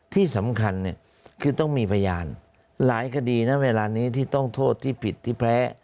ที่สำคัญเนี่ยคือต้องมีพยานหลายคดีนะเวลานี้ที่ต้องโทษที่ผิดที่แพ้